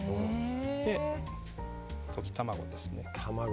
溶き卵ですね。